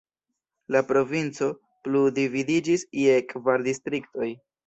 La provinco plu dividiĝis je kvar distriktoj.